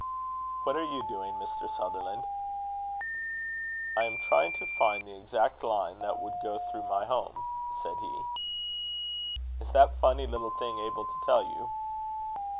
"What are you doing, Mr. Sutherland?" "I am trying to find the exact line that would go through my home," said he. "Is that funny little thing able to tell you?"